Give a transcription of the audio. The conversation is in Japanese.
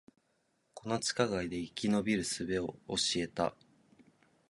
この地下街で生き延びる術を教えた